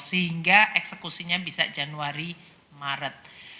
sehingga eksekusinya bisa januari maret